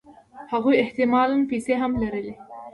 هغوی احتمالاً پیسې هم لرلې